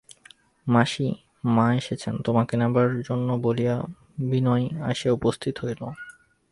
মাসি, মা এসেছেন তোমাকে নেবার জন্যে বলিয়া বিনয় আসিয়া উপস্থিত হইল।